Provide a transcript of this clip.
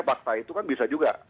fakta itu kan bisa juga